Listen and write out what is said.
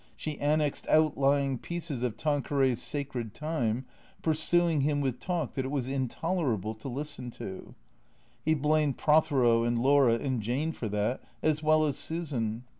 She annexed outlying pieces of Tanqiieray's sacred time, pursuing him with talk that it was intolerable to listen to. He blamed Prothero and Laura and Jane for that, as well as Susan.